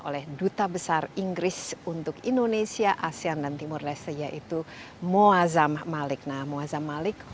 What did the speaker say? oleh duta besar inggris untuk indonesia asean dan timur leste yaitu muazzam malik malik